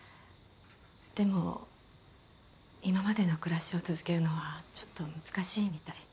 でも今までの暮らしを続けるのはちょっと難しいみたい。